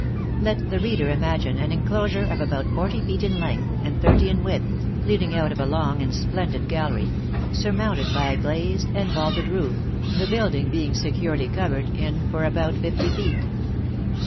Let the reader imagine an enclosure of about forty feet in length, and thirty in width (leading out of a long and splendid gallery), surmounted by a glazed and vaulted roof, the building being securely covered in for about fifty feet.